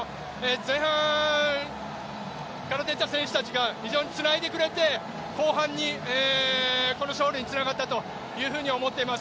前半から出ていた選手たちが非常につないでくれて後半に、この勝利につながったと思ってます。